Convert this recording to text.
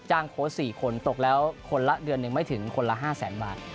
จ้างโค้ช๔คนตกแล้วคนละเดือนไม่ถึงคนละ๕แสนบาท